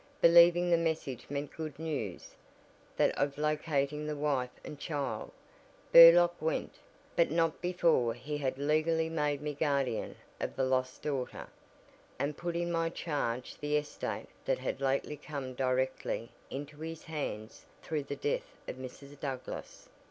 Believing the message meant good news, that of locating the wife and child, Burlock went, but not before he had legally made me guardian of the lost daughter, and put in my charge the estate that had lately come directly into his hands through the death of Mrs. Douglass.